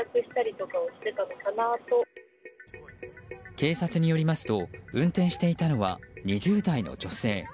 警察によりますと運転していたのは２０代の女性。